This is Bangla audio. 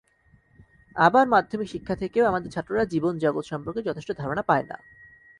আবার মাধ্যমিক শিক্ষা থেকেও আমাদের ছাত্ররা জীবন-জগৎ সম্পর্কে যথেষ্ট ধারণা পায় না।